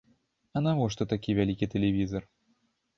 А навошта такі вялікі тэлевізар?!